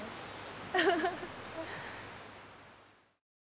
アハハハ！